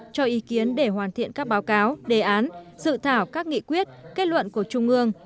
cho ý kiến để hoàn thiện các báo cáo đề án dự thảo các nghị quyết kết luận của trung ương